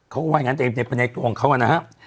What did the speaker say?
เขาก็ว่าอย่างงั้นแต่ในตัวองค์เขานะฮะ